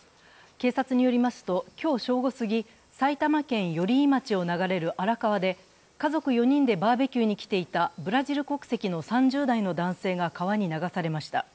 警察によりますと、今日正午過ぎ、埼玉県寄居町を流れる荒川で、家族４人でバーベキューに来ていたブラジル国籍の３０代の男性が川に流されました。